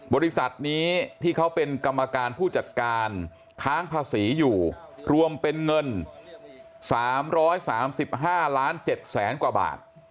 บริษัทนี้ที่เขาเป็นกรรมการผู้จัดการค้างภาษีอยู่รวมเป็นเงิน๓๓๕ล้าน๗แสนกว่าบาท